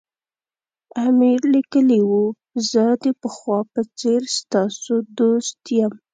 امیر لیکلي وو زه د پخوا په څېر ستاسو دوست یم.